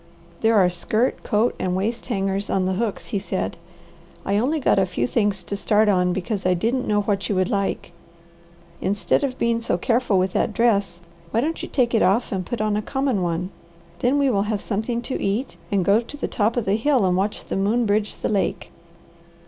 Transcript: "There are skirt, coat, and waist hangers on the hooks," he said. "I only got a few things to start on, because I didn't know what you would like. Instead of being so careful with that dress, why don't you take it off, and put on a common one? Then we will have something to eat, and go to the top of the hill and watch the moon bridge the lake."